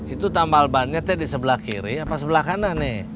itu tambal bannya di sebelah kiri apa sebelah kanan nih